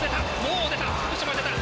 もう出た！